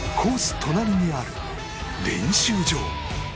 隣にある練習場。